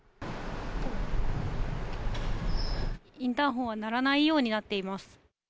インターホンは鳴らないようになっています。